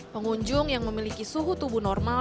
pengunjung yang memiliki suhu tubuh normal